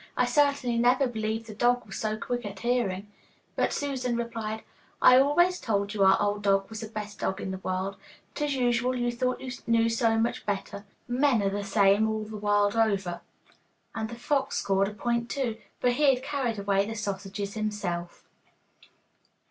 I certainly never believed the old dog was so quick at hearing.' But Susan replied, 'I always told you our old dog was the best dog in the world but as usual you thought you knew so much better. Men are the same all the world over.' And the fox scored a point too, for he had carried away the sausages himself!